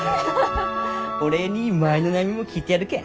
お礼に舞の悩みも聞いてやるけん。